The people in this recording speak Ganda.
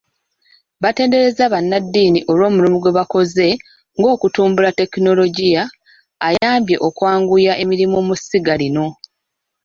Baatenderezza bannaddiini olw'omulimu gwe bakoze ng'okutumbula tekinologiya ayambye okwanguya emirimu mu ssiga lino.